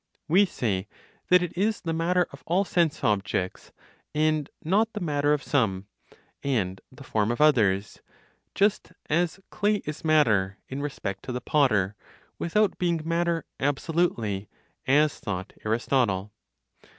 We say that it is the matter of all sense objects, and not the matter of some, and the form of others, just as clay is matter, in respect to the potter, without being matter absolutely (as thought Aristotle).